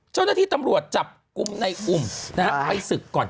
เจ้าหน้าที่ตำรวจจับกลุ่มในอุ่มนะฮะไปศึกก่อน